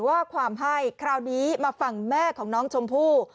ว่าความให้คราวนี้มาฝั่งแม่ของน้องชมพู่